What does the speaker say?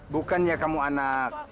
bukannya kamu anak